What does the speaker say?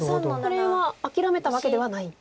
これは諦めたわけではない？